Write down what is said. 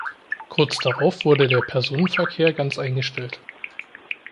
Kurz darauf wurde der Personenverkehr ganz eingestellt.